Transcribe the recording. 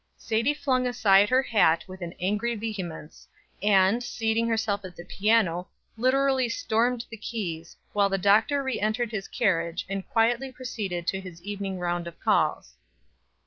Sadie flung aside her hat with an angry vehemence, and, seating herself at the piano, literally stormed the keys, while the Doctor re entered his carriage and quietly proceeded to his evening round of calls.